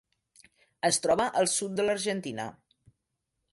Es troba al sud de l'Argentina.